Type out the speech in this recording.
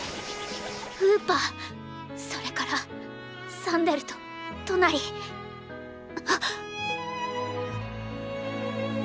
ウーパそれからサンデルとトナリッ！